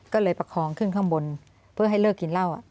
ก็เลยประคองขึ้นข้างบนเพื่อให้เลิกกินเหล้า